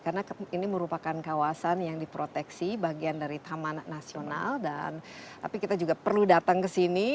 karena ini merupakan kawasan yang diproteksi bagian dari taman nasional dan tapi kita juga perlu datang ke sini